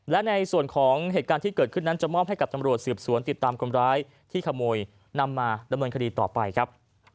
และในส่วนของเหตุการณ์ที่เกิดขึ้นนั้นจะมอบให้กับตำรวจสืบสวนติดตามคนร้ายที่ขโมยนำมาดำเนินคดีต่อไปครับ